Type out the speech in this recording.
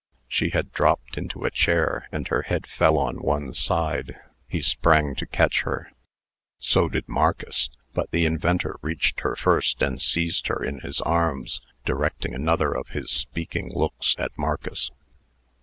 She had dropped into a chair, and her head fell on one side. He sprang to catch her. So did Marcus. But the inventor reached her first, and seized her in his arms, directing another of his speaking looks at Marcus.